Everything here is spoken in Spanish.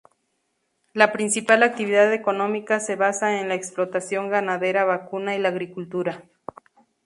La principal actividad económica se basa en la explotación ganadera vacuna y la agricultura.